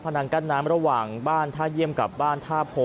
นังกั้นน้ำระหว่างบ้านท่าเยี่ยมกับบ้านท่าโพ